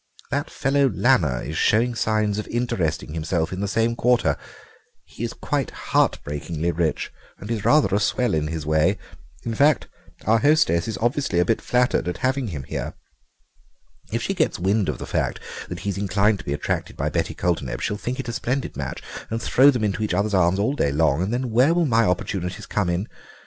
That fellow Lanner is showing signs of interesting himself in the same quarter. He's quite heartbreakingly rich and is rather a swell in his way; in fact, our hostess is obviously a bit flattered at having him here. If she gets wind of the fact that he's inclined to be attracted by Betty Coulterneb she'll think it a splendid match and throw them into each other's arms all day long, and then where will my opportunities come in?